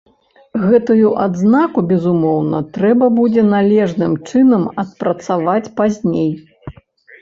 Гэтую адзнаку, безумоўна, трэба будзе належным чынам адпрацаваць пазней.